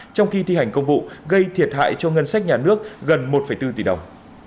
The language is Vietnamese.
trong khi thi hành công vụ gây thiệt hại cho ngân sách nhà nước gần một bốn tỷ đồng